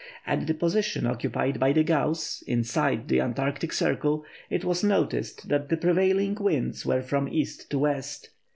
At the position occupied by the Gauss, inside the Antarctic Circle, it was noticed that the prevailing winds were from east to west.